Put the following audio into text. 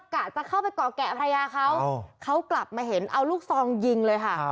กะจะเข้าไปเกาะแกะภรรยาเขาเขากลับมาเห็นเอาลูกซองยิงเลยค่ะ